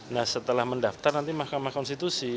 nah setelah mendaftar nanti mahkamah konstitusi